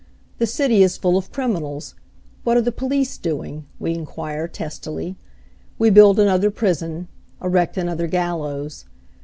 The city is full of criminals — what are the police do ing ? we inquire testily. We build another prison, erect another gallows.